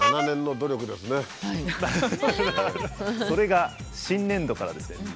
それが新年度からですね。